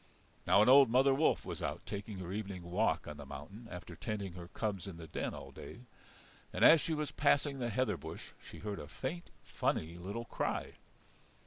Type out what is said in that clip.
Now an old mother wolf was out taking her evening walk on the mountain after tending her cubs in the den all day. And as she was passing the heather bush she heard a faint, funny little cry.